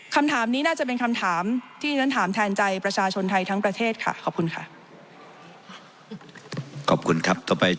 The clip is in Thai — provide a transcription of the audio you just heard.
คำถามนี้น่าจะเป็นคำถามที่ฉันถามแทนใจประชาชนไทยทั้งประเทศค่ะขอบคุณค่ะ